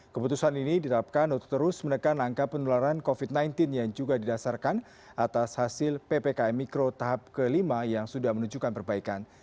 keputusan ini diterapkan untuk terus menekan angka penularan covid sembilan belas yang juga didasarkan atas hasil ppkm mikro tahap kelima yang sudah menunjukkan perbaikan